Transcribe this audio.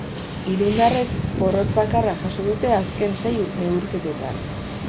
Irundarrek porrot bakarra jaso dute azken sei neurketetan.